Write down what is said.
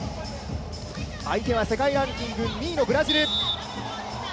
相手は世界ランク２位のブラジル。